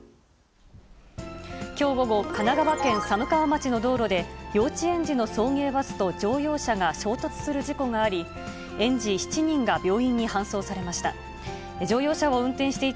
きょう午後、神奈川県寒川町の道路で、幼稚園児の送迎バスと乗用車が衝突する事故があり、園児７人が病院に搬送されました。